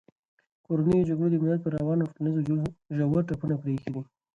کورنیو جګړو د ملت پر روان او ټولنیز وجود ژور ټپونه پرېښي دي.